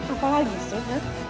apa lagi sih